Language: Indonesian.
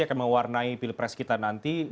akan mewarnai pilpres kita nanti